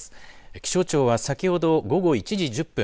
気象庁は先ほど午後１時１０分